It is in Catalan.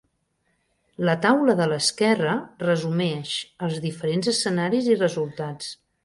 La taula de l'esquerra resumeix els diferents escenaris i resultats.